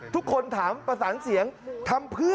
ทุกคนถามประสานเสียงทำเพื่อ